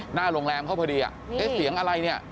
หน้าโรงแรมเขาพอดีอ่ะเอ๊ะเสียงอะไรเนี่ย